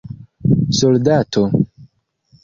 soldato